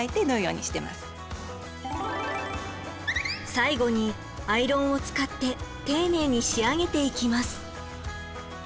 最後にアイロンを使って丁寧に仕上げていきます。